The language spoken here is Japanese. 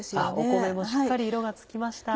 米もしっかり色がつきました。